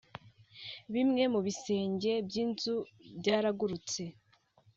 Bimwe mu bisenge by’inzu byaragurutse